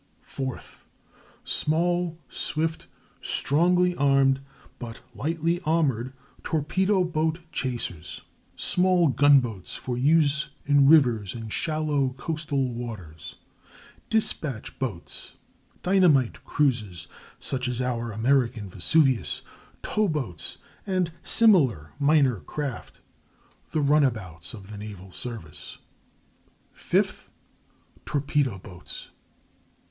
Fourth, small, swift, strongly armed but lightly armored, torpedo boat chasers, small gunboats for use in rivers and shallow coastal waters, despatch boats, dynamite cruisers, such as our American Vesuvius, tow boats, and similar minor craft—the run abouts of the naval service. Fifth, torpedo boats.